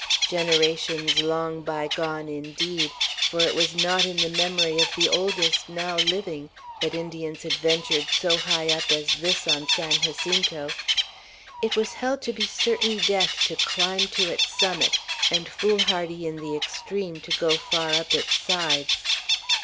Generations long bygone indeed, for it was not in the memory of the oldest now living, that Indians had ventured so high up as this on San Jacinto. It was held to be certain death to climb to its summit, and foolhardy in the extreme to go far up its sides.